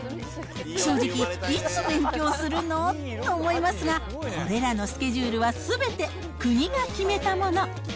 正直、いつ勉強するの？と思いますが、これらのスケジュールはすべて国が決めたもの。